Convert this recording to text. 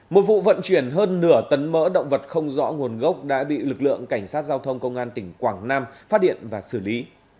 một vụ vận chuyển hơn nửa tấn mỡ động vật không rõ nguồn gốc đã bị lực lượng cảnh sát giao thông công an tỉnh quảng nam phát hiện và xử lý